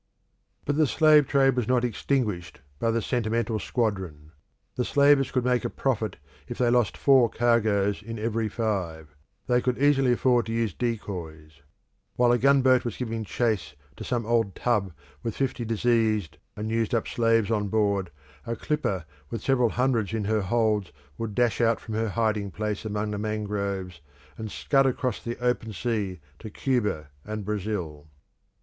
But the slave trade was not extinguished by the "sentimental squadron." The slavers could make a profit if they lost four cargoes in every five; they could easily afford to use decoys. While the gunboat was giving chase to some old tub with fifty diseased and used up slaves on board, a clipper with several hundreds in her holds would dash out from her hiding place among the mangroves and scud across the open sea to Cuba and Brazil.